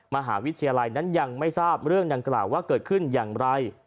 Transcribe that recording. มหาวิทยาลัยนั้นยังไม่ทราบเรื่องดังกล่าวว่าเกิดขึ้นอย่างไร